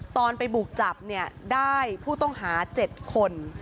ตอนไปบุกจับเนี่ยได้ผู้ต้องหา๗คน